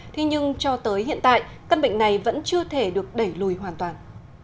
thế nhưng cho tới hiện tại căn bệnh này vẫn chưa thể được đẩy lùi hoàn toàn